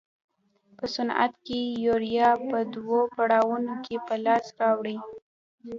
په صنعت کې یوریا په دوو پړاوونو کې په لاس راوړي.